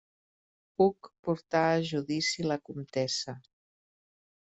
Hug portà a judici la comtessa.